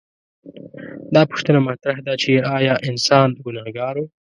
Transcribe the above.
دا پوښتنه مطرح ده چې ایا انسان ګنهګار و؟